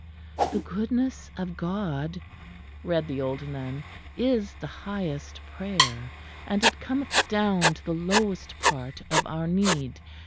"The Goodness of God," read the old nun, "is the highest prayer, and it cometh down to the lowest part of our need.